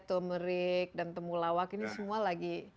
tumerik dan temulawak ini semua lagi